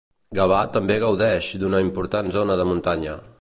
Gavà també gaudeix d'una important zona de muntanya.